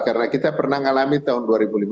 karena kita pernah mengalami tahun dua ribu lima belas